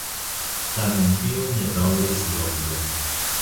Tamen tio ne daŭris longe.